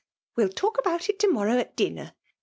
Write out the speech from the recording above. *^ Well talk about it to morrow at dinner.